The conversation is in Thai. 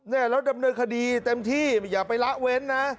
แล้วดำเนินคดีเต็มที่อย่าไปละเว้นนะ